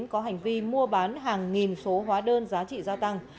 có hành vi mua bán hàng nghìn số hóa đơn giá trị gia tăng